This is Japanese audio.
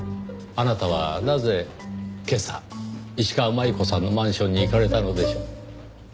あなたはなぜ今朝石川真悠子さんのマンションに行かれたのでしょう？